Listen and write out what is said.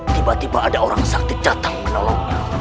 tiba tiba ada orang sakit datang menolongnya